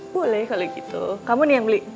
boleh kalau gitu kamu nih yang beli